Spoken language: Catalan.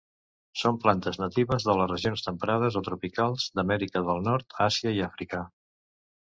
Són plantes natives de les regions temperades o tropicals d'Amèrica del Nord, Àsia i Àfrica.